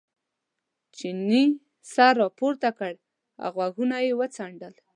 چیني سر را پورته کړ او غوږونه یې وڅنډل.